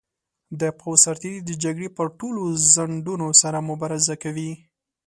د پوځ سرتیري د جګړې پر ټولو ځنډونو سره مبارزه کوي.